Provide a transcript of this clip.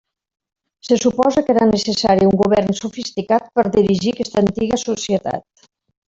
Se suposa que era necessari un govern sofisticat per dirigir aquesta antiga societat.